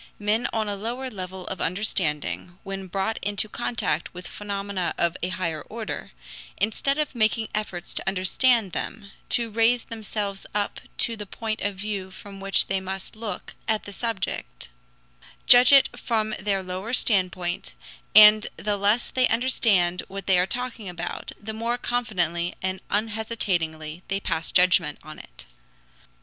Men on a lower level of understanding, when brought into contact with phenomena of a higher order, instead of making efforts to understand them, to raise themselves up to the point of view from which they must look at the subject, judge it from their lower standpoint, and the less they understand what they are talking about, the more confidently and unhesitatingly they pass judgment on it.